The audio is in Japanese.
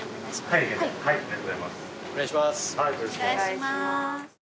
お願いします。